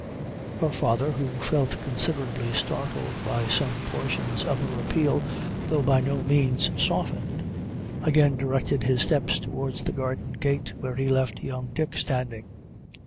Her father, who felt considerably startled by some portions of her appeal, though by no means softened, again directed his steps towards the garden gate, where he left young Dick standing.